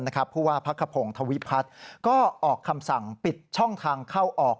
เพราะว่าพักขพงศ์ธวิพัฒน์ก็ออกคำสั่งปิดช่องทางเข้าออก